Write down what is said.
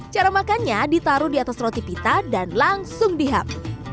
cara makannya ditaruh di atas roti pita dan langsung di hub